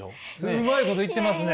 すごいこといってますね！